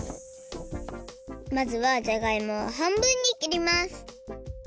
まずはじゃがいもをはんぶんに切ります。